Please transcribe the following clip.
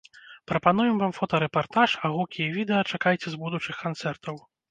Прапануем вам фотарэпартаж, а гукі і відэа чакайце з будучых канцэртаў!